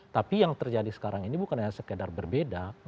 tapi yang terjadi sekarang ini bukan hanya sekedar berbeda